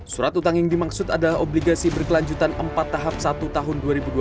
surat utang yang dimaksud adalah obligasi berkelanjutan empat tahap satu tahun